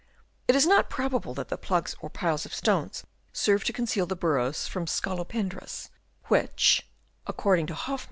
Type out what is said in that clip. It is not probable that the plugs or piles of stones serve to conceal the burrows from scolopendras, which, * Loudon's * Gard.